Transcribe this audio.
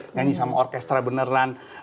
nyanyi sama orkestra beneran